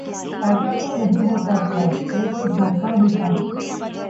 ऐसा तो नहीं होता प्यार, ये तो धोखा ही था...